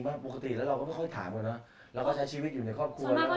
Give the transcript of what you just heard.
มีอะไรครับ